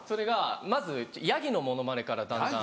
まずヤギのモノマネからだんだん。